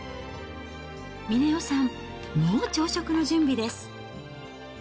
峰代さん、もう朝食の準備です。